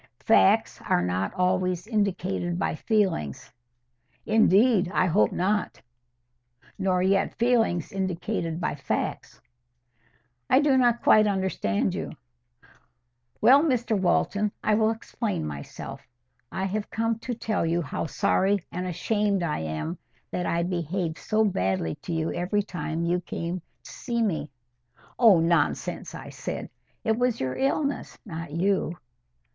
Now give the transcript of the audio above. "Facts are not always indicated by feelings." "Indeed, I hope not; nor yet feelings indicated by facts." "I do not quite understand you." "Well, Mr Walton, I will explain myself. I have come to tell you how sorry and ashamed I am that I behaved so badly to you every time you came to see me." "Oh, nonsense!" I said. "It was your illness, not you."